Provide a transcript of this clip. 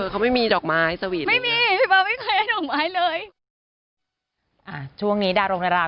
เขาไม่มีดอกไม้สวีท